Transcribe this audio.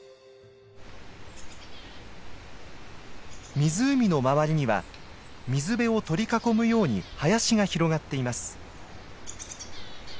湖の周りには水辺を取り囲むように林が広がっています。